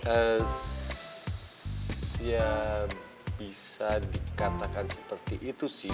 es ya bisa dikatakan seperti itu sih